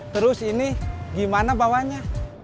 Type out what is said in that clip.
terus ini gimana bawanya